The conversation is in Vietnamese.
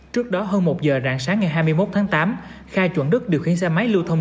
trước đó hơn một giờ rạng sáng ngày hai mươi một tháng tám kha chuẩn đức điều khiển xe máy lưu thông